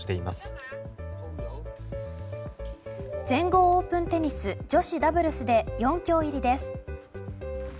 全豪オープンテニス女子ダブルスで４強入りです。